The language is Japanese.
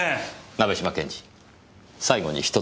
鍋島検事最後に１つだけ。